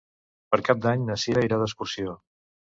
Per Cap d'Any na Sira irà d'excursió.